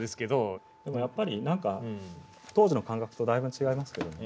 でもやっぱり何か当時の感覚とだいぶ違いますけどね。